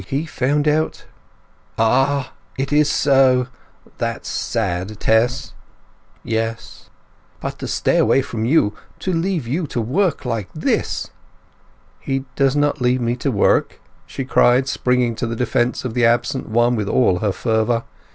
He found out—" "Ah, is it so!... That's sad, Tess!" "Yes." "But to stay away from you—to leave you to work like this!" "He does not leave me to work!" she cried, springing to the defence of the absent one with all her fervour.